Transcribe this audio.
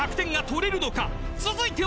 ［続いては］